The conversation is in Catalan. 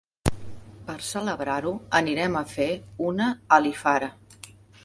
Per celebrar-ho anirem a fer una alifara.